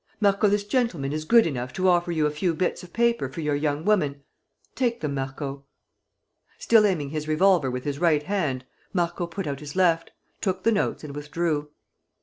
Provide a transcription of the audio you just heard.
"Marco, this gentleman is good enough to offer you a few bits of paper for your young woman. Take them, Marco." Still aiming his revolver with his right hand, Marco put out his left, took the notes and withdrew.